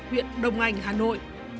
huyện đồng anh hà nội